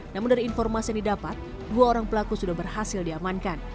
namun dari informasi yang didapat dua orang pelaku sudah berhasil diamankan